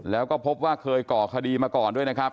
แล้วก็พบว่าเคยก่อคดีมาก่อนด้วยนะครับ